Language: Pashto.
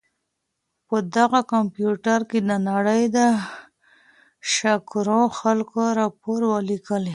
ما په دغه کمپیوټر کي د نړۍ د شاکرو خلکو راپور ولیکلی.